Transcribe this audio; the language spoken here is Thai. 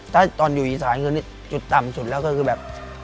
ถ้าตอนอยู่อีสานคือจุดต่ำสุดแล้วก็คือแบบ